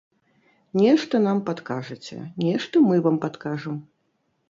Нешта нам падкажаце, нешта мы вам падкажам.